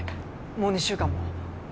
もう２週間も。